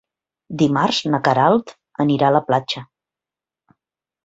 Dimarts na Queralt anirà a la platja.